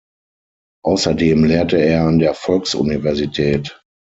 Außerdem lehrte er an der Volksuniversität.